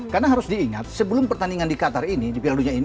karena harus diingat sebelum pertandingan di qatar ini di piar dunia ini